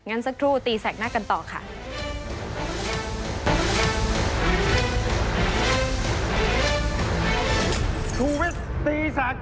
อ่ะงั้นสักครู่ตีแสกหน้ากันต่อค่ะ